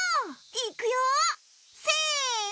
いくよせの！